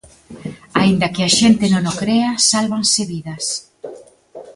Aínda que a xente non o crea, sálvanse vidas.